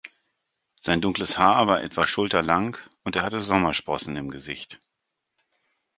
Sein dunkles Haar war etwa schulterlang und er hatte Sommersprossen im Gesicht.